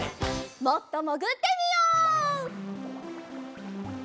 もっともぐってみよう！